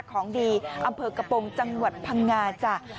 ของดีอำเภอกระโปรงจังหวัดพังงาจ้ะ